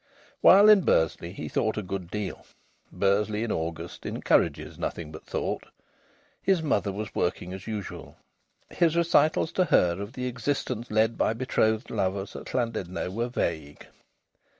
While in Bursley he thought a good deal. Bursley in August encourages nothing but thought. His mother was working as usual. His recitals to her of the existence led by betrothed lovers at Llandudno were vague.